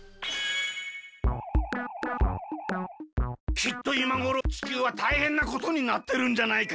きっといまごろちきゅうはたいへんなことになってるんじゃないか？